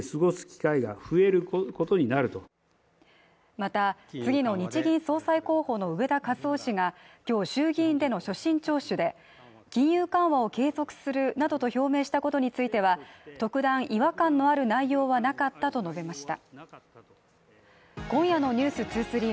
また次の日銀総裁候補の植田和男氏が今日衆議院での所信聴取で金融緩和を継続するなどと表明したことについては特段違和感のある内容はなかったと述べました。